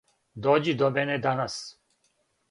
Дођи до мене данас.